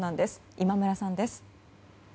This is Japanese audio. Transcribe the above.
今村さんです。